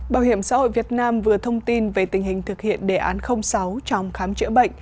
bảo hiểm xã hội việt nam vừa thông tin về tình hình thực hiện đề án sáu trong khám chữa bệnh